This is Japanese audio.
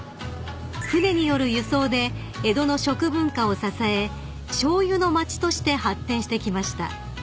［舟による輸送で江戸の食文化を支えしょうゆの街として発展してきました］